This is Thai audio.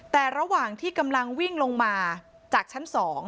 แต่ระหว่างที่กำลังวิ่งลงมาจากชั้น๒